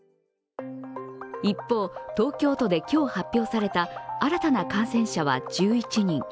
一方、東京都で今日発表された新たな感染者は１１人。